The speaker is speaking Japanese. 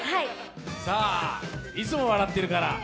いつも笑ってるから。